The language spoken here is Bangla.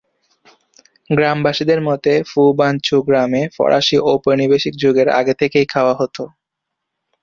গ্রামবাসীদের মতে ফো ভান চু গ্রামে ফরাসী ঔপনিবেশিক যুগের আগে থেকেই খাওয়া হত।